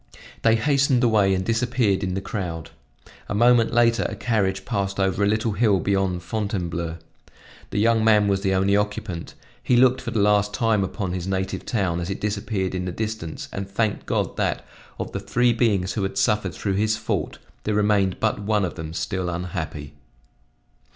They hastened away and disappeared in the crowd. A moment later a carriage passed over a little hill beyond Fontainebleau. The young man was the only occupant; he looked for the last time upon his native town as it disappeared in the distance and thanked God that, of the three beings who had suffered through his fault, there remained but one of them still unhappy.